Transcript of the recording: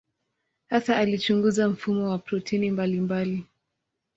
Hasa alichunguza mfumo wa protini mbalimbali.